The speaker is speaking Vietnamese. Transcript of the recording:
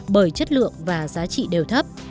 kết lượng và giá trị đều thấp